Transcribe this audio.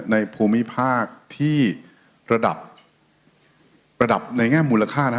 ในภูมิภาคที่ระดับระดับในแง่มูลค่านั้น